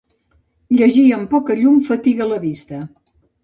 Llegir amb poca llum fatiga la vista.